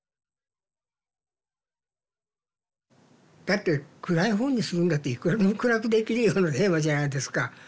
だって暗い本にするんだったらいくらでも暗くできるようなテーマじゃないですか。